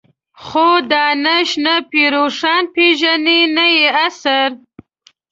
خو دانش نه پير روښان پېژني نه يې عصر.